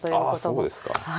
あそうですか。